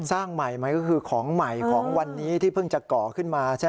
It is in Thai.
สร้างใหม่ก็คือของใหม่ของวันนี้ที่เพิ่งเจอก่อขึ้นมา